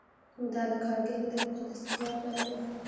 دا د کارګرې طبقې د استثمار پایله ده